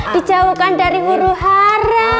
dijauhkan dari huru hara